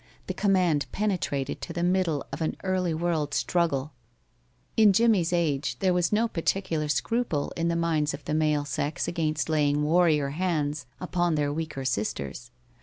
The command penetrated to the middle of an early world struggle. In Jimmie's age there was no particular scruple in the minds of the male sex against laying warrior hands upon their weaker sisters.